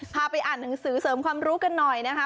ไปอ่านหนังสือเสริมความรู้กันหน่อยนะคะ